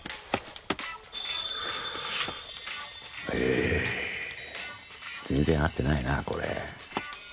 え全然合ってないなこれ。